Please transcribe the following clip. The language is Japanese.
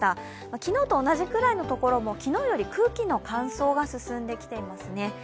昨日と同じくらいの所も昨日より空気の乾燥は進んできていますね。